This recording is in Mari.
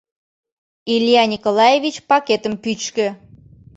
— Илья Николаевич пакетым пӱчкӧ.